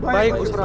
baik gusti prabu